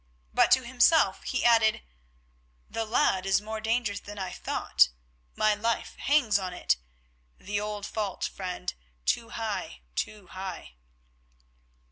But to himself he added, "The lad is more dangerous than I thought—my life hangs on it. The old fault, friend, too high, too high!"